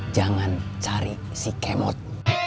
jangan cari si kemot